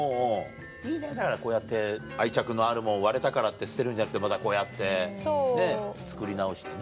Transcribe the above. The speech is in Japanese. いいねだからこうやって愛着のあるもんを割れたからって捨てるんじゃなくてまたこうやってね作り直してね。